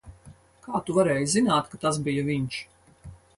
Kā tu varēji zināt, ka tas bija viņš?